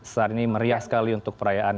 saat ini meriah sekali untuk perayaan